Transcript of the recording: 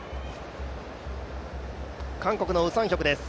韓国のウ・サンヒョクです